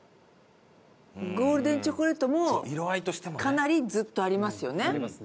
ゴールデンチョコレートもかなりずっとありますよね。